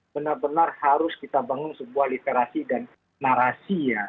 benar benar harus kita bangun sebuah literasi dan narasi ya